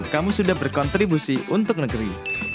kamu sudah berkontribusi untuk negeri